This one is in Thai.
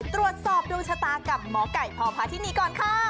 ตรวจสอบดวงชะตากับหมอไก่พพาธินีก่อนค่ะ